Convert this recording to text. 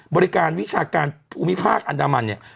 บริการวิชาการภูมิภาคอันดามันเนี่ย